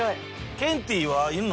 ケンティーは？いるの？